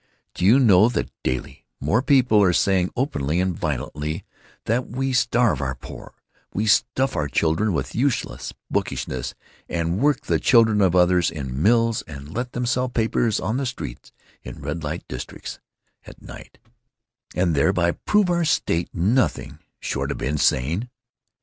Do you know that daily more people are saying openly and violently that we starve our poor, we stuff our own children with useless bookishness, and work the children of others in mills and let them sell papers on the streets in red light districts at night, and thereby prove our state nothing short of insane?